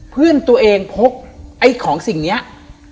เพื่อนตัวเองพกไอ้ของสิ่งนี้